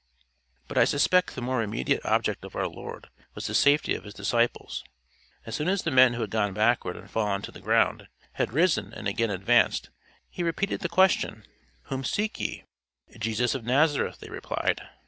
But I suspect the more immediate object of our Lord was the safety of his disciples. As soon as the men who had gone backward and fallen to the ground, had risen and again advanced, he repeated the question "Whom seek ye?" "Jesus of Nazareth," they replied.